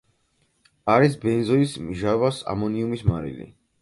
არის ბენზოის მჟავას ამონიუმის მარილი.